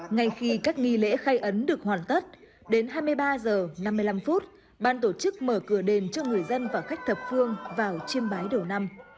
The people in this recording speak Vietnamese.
ngay khi các nghi lễ khai ấn được hoàn tất đến hai mươi ba h năm mươi năm ban tổ chức mở cửa đền cho người dân và khách thập phương vào chiêm bái đầu năm